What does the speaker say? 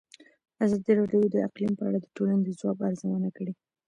ازادي راډیو د اقلیم په اړه د ټولنې د ځواب ارزونه کړې.